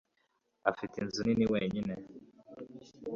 afite inzu nini wenyine